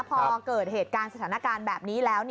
พอเกิดเหตุการณ์สถานการณ์แบบนี้แล้ว